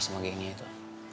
sama gengnya itu